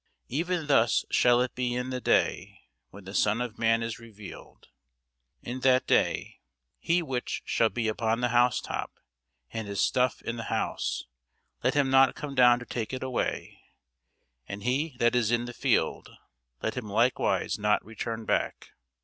Even thus shall it be in the day when the Son of man is revealed. In that day, he which shall be upon the housetop, and his stuff in the house, let him not come down to take it away: and he that is in the field, let him likewise not return back.